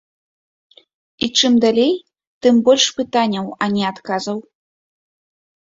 І чым далей, тым больш пытанняў, а не адказаў.